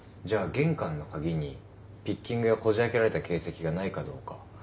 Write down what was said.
じゃあ玄関の鍵にピッキングやこじ開けられた形跡がないかどうか。